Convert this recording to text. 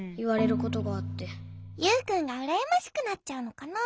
ユウくんがうらやましくなっちゃうのかな？